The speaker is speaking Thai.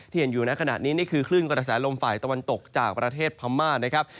เห็นอยู่ในขณะนี้นี่คือคลื่นกระแสลมฝ่ายตะวันตกจากประเทศพม่านะครับ